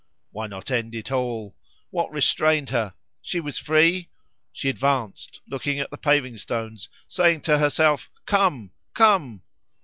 Why not end it all? What restrained her? She was free. She advanced, looking at the paving stones, saying to herself, "Come! come!"